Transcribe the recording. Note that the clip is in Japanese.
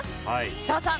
設楽さん